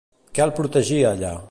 Què el protegia allà?